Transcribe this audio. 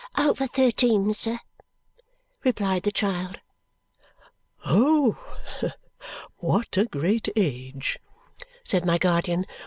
"Over thirteen, sir," replied the child. "Oh! What a great age," said my guardian.